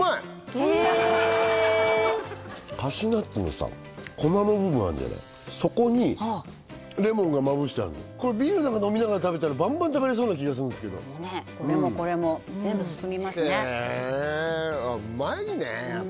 へえカシューナッツのさ粉の部分あんじゃないそこにレモンがまぶしてあんのこれビールなんか飲みながら食べたらバンバン食べれそうな気がすんですけどこれもこれも全部進みますねあっ